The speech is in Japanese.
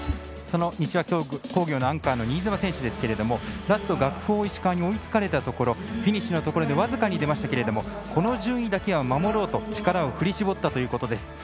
西脇工業のアンカーの新妻選手ですが、ラスト学法石川に追いつかれたところフィニッシュで僅かに出ましたがこの順位だけは守ろうと力を振り絞ったということです。